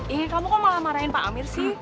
ini kamu kok malah marahin pak amir sih